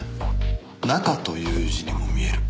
「中」という字にも見える。